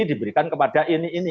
diberikan kepada ini ini